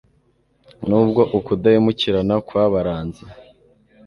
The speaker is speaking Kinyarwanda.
n'ubwo ukudahemukirana kwabaranze